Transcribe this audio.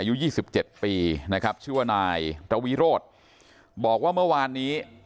อายุ๒๗ปีนะครับชื่อว่านายตระวิโรธบอกว่าเมื่อวานนี้